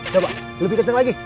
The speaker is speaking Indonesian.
coba lebih kenceng lagi